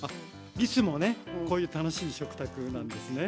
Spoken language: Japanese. いつもねこういう楽しい食卓なんですね。